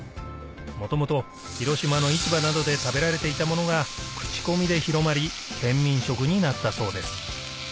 もともと広島の市場などで食べられていたものが口コミで広まり県民食になったそうです